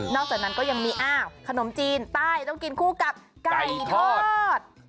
นอกจากนั้นก็ยังมีขนมจีนต้ายต้องกินคู่กับไก่ทอด